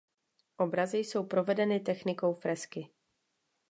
Obrazy jsou provedeny technikou fresky.